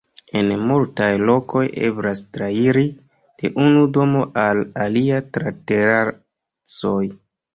En multaj lokoj eblas trairi de unu domo al alia tra terasoj.